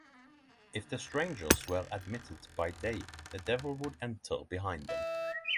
If the strangers were admitted by day the devil would enter behind them.